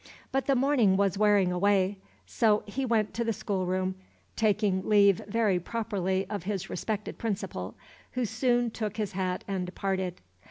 But the morning was wearing away; so he went to the schoolroom, taking leave very properly of his respected principal, who soon took his hat and departed.